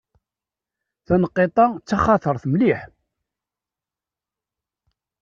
Taneqqiṭ-a d taxatart mliḥ.